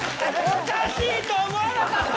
おかしいと思わなかった？